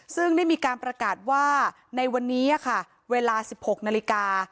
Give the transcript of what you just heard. ซึ่งได้มีการประกาศว่าในวันนี้ค่ะเวลา๑๖นาฬิกา